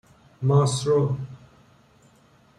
ماسرو